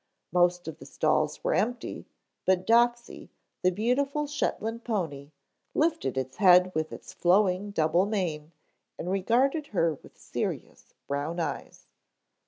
Most of the stalls were empty, but Doxey, the beautiful Shetland pony, lifted his head with its flowing double mane and regarded her with serious brown eyes.